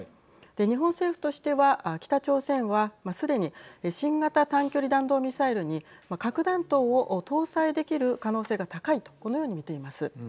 日本政府としては北朝鮮は、すでに新型短距離弾道ミサイルに核弾頭を搭載できる可能性が高いとこのように見ています。